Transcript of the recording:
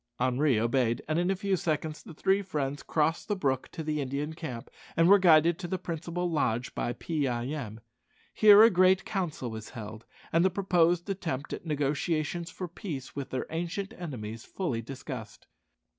Henri obeyed, and in a few seconds the three friends crossed the brook to the Indian camp, and were guided to the principal lodge by Pee eye em. Here a great council was held, and the proposed attempt at negotiations for peace with their ancient enemies fully discussed.